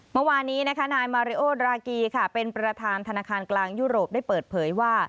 เมื่อวานนี้นะคะนายมาริโอดรากีค่ะเป็นประธานธนาคารกลางยุโรปได้เปิดเผยว่า